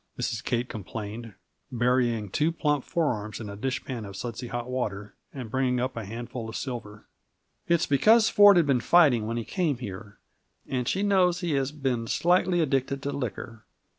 Mrs. Kate complained, burying two plump forearms in a dishpan of sudsy hot water, and bringing up a handful of silver. "It's because Ford had been fighting when he came here, and she knows he has been slightly addicted to liquor.